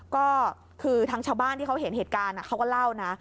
ก็คือทางชาวบ้านที่เขาเห็นเหตุการณ์เขาก็เล่านะ